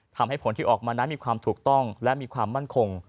ผลที่ออกมานั้นมีความถูกต้องและมีความมั่นคง